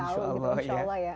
insya allah ya